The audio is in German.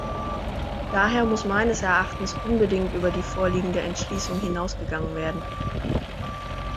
Daher muss meines Erachtens unbedingt über die vorliegende Entschließung hinausgegangen werden.